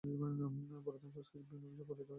পুরাতন সংস্কৃতির বিভিন্ন বিষয় পালিত হয়ে থাকে।